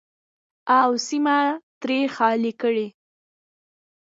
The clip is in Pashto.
او سیمه ترې خالي کړي.